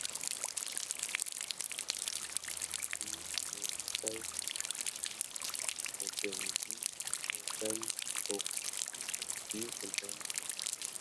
Mo joŋ gi me daaǝǝm to.